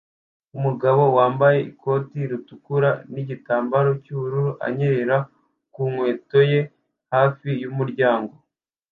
Umugabo wambaye ikoti ritukura nigitambara cyubururu anyerera ku nkweto ye hafi yumuryango